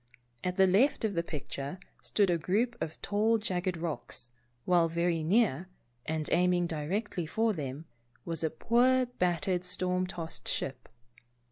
At the left of the picture stood a group of tall jagged rocks, while very near, and aiming directly for them, was a poor battered, storm tossed ship.